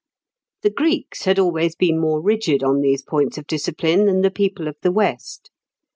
The Greeks had always been more rigid on these points of discipline than the people of the West.